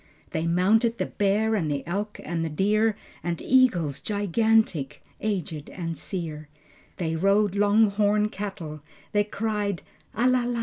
They mounted the bear and the elk and the deer, And eagles gigantic, aged and sere, They rode long horn cattle, they cried "A la la."